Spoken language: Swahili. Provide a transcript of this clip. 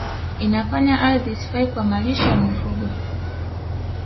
Inafanya ardhi isifae kwa malisho ya mifugo